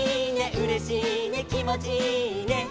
「うれしいねきもちいいね」